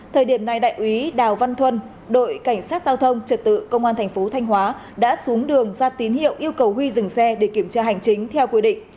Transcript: thời điểm này đại úy đào văn thuân đội cảnh sát giao thông trật tự công an thành phố thanh hóa đã xuống đường ra tín hiệu yêu cầu huy dừng xe để kiểm tra hành chính theo quy định